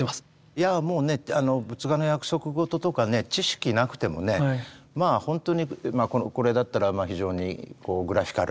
いやもうね仏画の約束事とか知識なくてもねまあ本当にこれだったらまあ非常にグラフィカルな表現がありますよね。